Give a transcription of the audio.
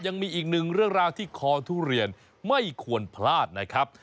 ยังมีอีกหนึ่งเรื่องราวที่คอทุเรียนไม่ควรพลาดนะครับ